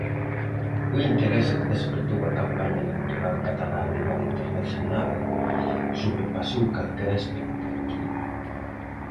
O interese que despertou a campaña electoral catalá a nivel internacional sobrepasou calquera expectativa.